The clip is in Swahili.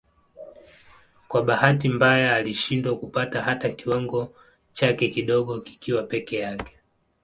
Kwa bahati mbaya alishindwa kupata hata kiwango chake kidogo kikiwa peke yake.